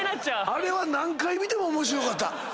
あれは何回見ても面白かった。